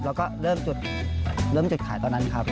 เราก็เริ่มจุดขายตอนนั้นครับ